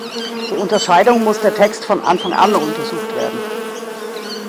Zur Unterscheidung muss der Text von Anfang an untersucht werden.